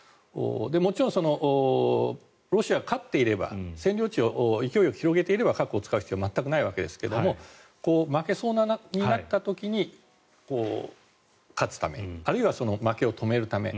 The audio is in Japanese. もちろんロシアが勝っていれば占領地、勢いを広げていれば核を使う必要性は全くないわけですが負けそうになった時に勝つためにあるいは負けを止めるため。